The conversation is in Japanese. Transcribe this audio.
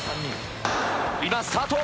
今スタート。